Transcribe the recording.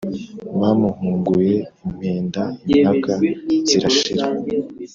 Bamuhunguye impenda* impaka zirashira,